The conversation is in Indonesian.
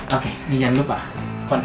oke ini jangan lupa kontrak